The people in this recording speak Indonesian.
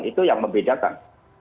itu yang membedakan